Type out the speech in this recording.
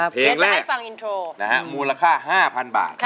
เพลงแรกมูลค่า๕๐๐๐บาทสักพันบาทค่ะ